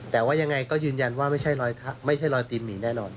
แต่ว่ายังไงก็ยืนยันว่าไม่ใช่รอยตีนหมีแน่นอน